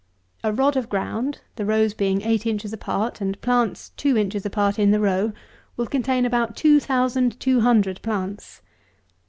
A rod of ground, the rows being eight inches apart, and plants two inches apart in the row, will contain about two thousand two hundred plants.